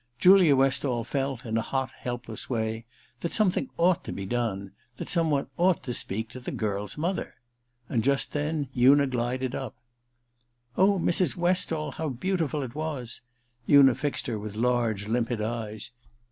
Julia Westall felt in a hot helpless way that something ought to be done — that some one ought to speak to the girl's mother. And just then Una glided up. * Oh, Mrs. Westall, how beautiful it was !* Una fixed her with latge limpid eyes.